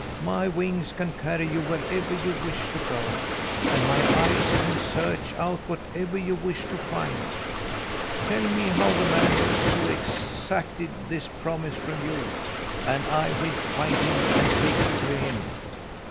"My wings can carry you wherever you wish to go, and my eyes can search out whatever you wish to find. Tell me how the man looks who exacted this promise from you, and I will find him and take you to him.